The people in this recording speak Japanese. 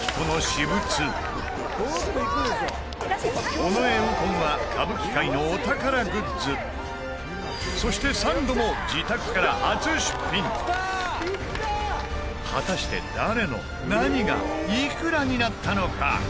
尾上右近は歌舞伎界のお宝グッズそして、サンドも自宅から初出品果たして、誰の何がいくらになったのか？